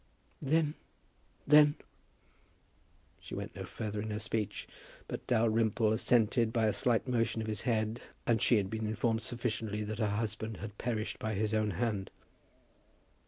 "Then; then " She went no further in her speech; but Dalrymple assented by a slight motion of his head, and she had been informed sufficiently that her husband had perished by his own hand.